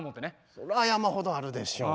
そら山ほどあるでしょ。